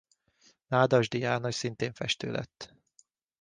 Nádasdy János szintén festő lett.